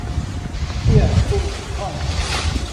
เตี้ยอุ้มค่อม